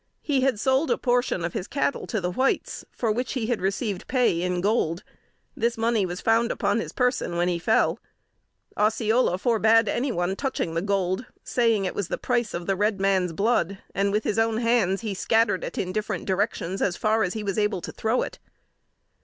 He had sold a portion of his cattle to the whites, for which he had received pay in gold. This money was found upon his person when he fell. Osceola forbade any one touching the gold, saying it was the price of the red man's blood, and with his own hands he scattered it in different directions as far as he was able to throw it.